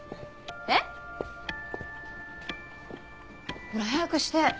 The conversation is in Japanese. えっ？ほら早くして。